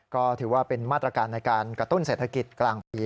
ก็ถือว่าเป็นมาตรการในการกระตุ้นเศรษฐกิจกลางปี